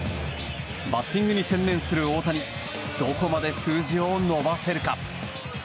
バッティングに専念する大谷どこまで数字を伸ばせるか。